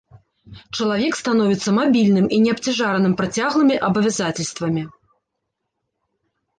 Чалавек становіцца мабільным і не абцяжараным працяглымі абавязацельствамі.